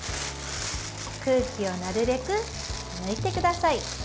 空気をなるべく抜いてください。